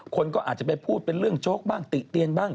คนก็อาจจะไปพูดเป็นเรื่องโจ๊กบ้างติเตียนบ้าง